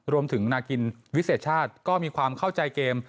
นากินวิเศษชาติก็มีความเข้าใจเกม